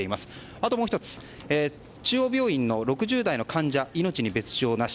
あともう１つ中央病院の６０代の患者命に別条なし。